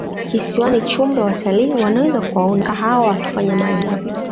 kisiwani chumbe watalii wanaweza kuwaona kaa hao wakifanya maajabu